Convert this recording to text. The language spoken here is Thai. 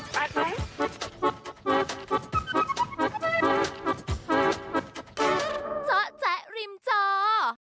เจ้าแจ๊ะริมเจ้า